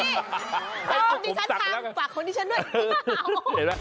ผมสั่งฝากคนที่ฉันด้วย